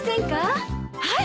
はい！